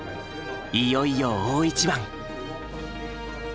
いよいよ大一番。